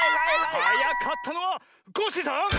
はやかったのはコッシーさん！